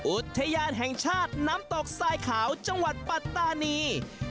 อุทยานแห่งชาติน้ำตกทรายขาวจังหวัดปัตตานี